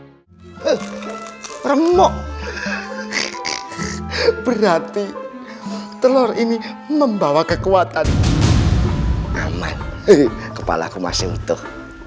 hai hai hai remok berarti telur ini membawa kekuatan aman hehehe kepala aku masih untuk